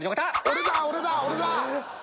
俺だ俺だ俺だ！